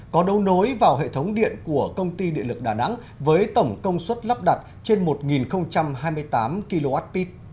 có đấu nối vào hệ thống điện của công ty điện lực đà nẵng với tổng công suất lắp đặt trên một hai mươi tám kwh